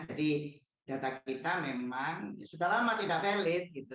jadi data kita memang sudah lama tidak valid